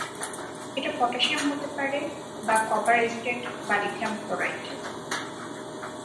এটা পটাশিয়াম হতে পারে বা কবার এসটেট বা লিথিয়াম ক্লোরাইড।